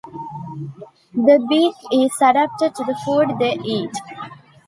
The beak is adapted to the food they eat.